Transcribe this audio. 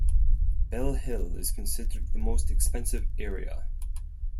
Bell Hill is considered the most expensive area.